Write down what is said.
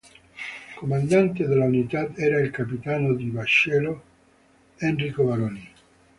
Comandante dell'unità era il capitano di vascello Enrico Baroni.